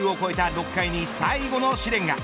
６回に最後の試練が。